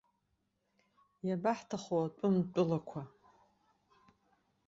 Иабаҳҭаху атәым тәылақәа!